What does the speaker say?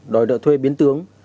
đòi đợi thuê biến tướng